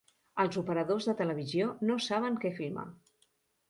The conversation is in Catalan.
Els operadors de televisió no saben què filmar.